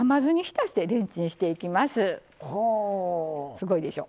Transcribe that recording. すごいでしょ。